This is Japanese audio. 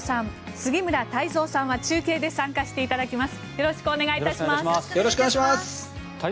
杉村太蔵さんは中継で参加していただきます。